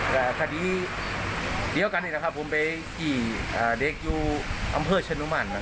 ว่าถ้าดีก็คือเรียกกันเลยนะครับผมไปให้กี่เด็กอยู่อำเภอเชซชลุมันนะครับ